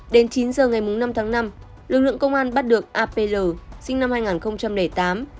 đến chín giờ ngày năm tháng năm lực lượng công an bắt được apl sinh năm hai nghìn tám